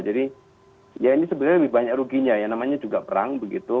jadi ya ini sebenarnya lebih banyak ruginya ya namanya juga perang begitu